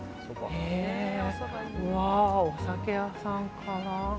うわー、お酒屋さんかな。